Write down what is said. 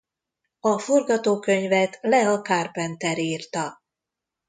A forgatókönyvet Lea Carpenter írta.